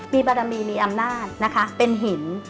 มีบารมีมีอำนาจนะคะเป็นหิน